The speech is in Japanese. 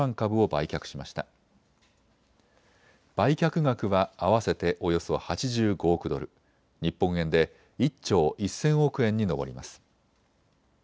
売却売却額は合わせておよそ８５億ドル、日本円で１兆１０００億円に上ります。